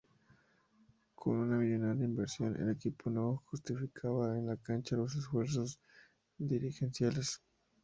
Con una millonaria inversión, el equipo no justificaba en la cancha los esfuerzos dirigenciales.